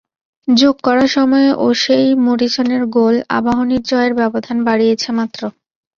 যোগ করা সময়ে ওসেই মরিসনের গোল আবাহনীর জয়ের ব্যবধান বাড়িয়েছে মাত্র।